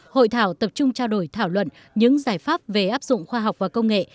hội thảo tập trung trao đổi thảo luận những giải pháp về áp dụng khoa học và công nghệ